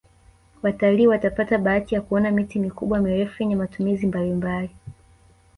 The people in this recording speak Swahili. watalii watapata bahati ya kuona miti mikubwa mirefu yenye matumizi mbalimbali